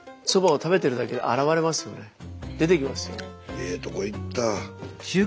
ええとこ行った。